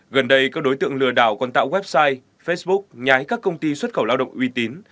gần đây các đối tượng lừa đảo còn tạo website facebook nhái các công ty xuất khẩu lao động uy tín